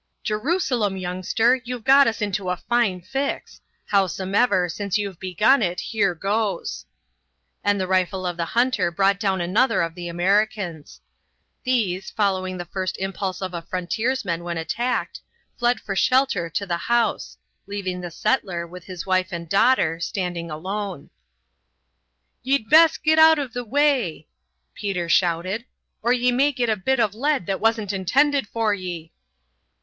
"Jerusalem, youngster! you've got us into a nice fix. Howsomever, since you've begun it, here goes." And the rifle of the hunter brought down another of the Americans. These, following the first impulse of a frontiersman when attacked, fled for shelter to the house, leaving the settler, with his wife and daughter, standing alone. "Ye'd best get out of the way," Peter shouted, "or ye may get a bit of lead that wasn't intended for ye."